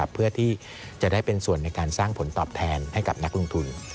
เพื่อที่จะได้เป็นส่วนในการสร้างผลตอบแทนให้กับนักลงทุน